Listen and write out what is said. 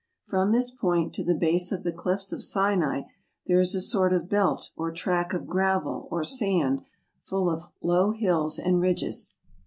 From this point to the base of the cliffs of Sinai there is a sort of belt or track of gravel or sand, full of low hills and ridges.